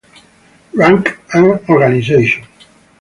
Rank and organization.